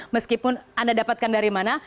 meskipun anda dapatkan dari mana